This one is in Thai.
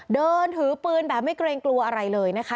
เดินถือปืนแบบไม่เกรงกลัวอะไรเลยนะคะ